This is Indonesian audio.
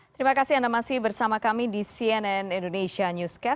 terima kasih anda masih bersama kami di cnn indonesia newscast